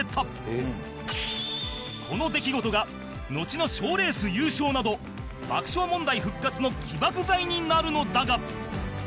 この出来事がのちの賞レース優勝など爆笑問題復活の起爆剤になるのだが